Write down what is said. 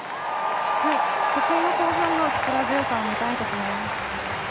得意の後半の力強さを見たいですね。